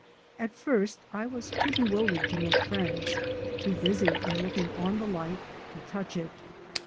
At first I was too bewildered to make friends, too busy in looking on the life to touch it.